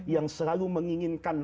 yang selalu menginginkan